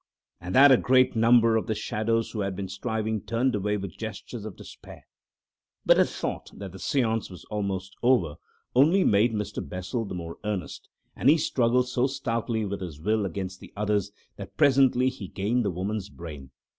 At that a great number of the shadows who had been striving turned away with gestures of despair. But the thought that the seance was almost over only made Mr. Bessel the more earnest, and he struggled so stoutly with his will against the others that presently he gained the woman's brain.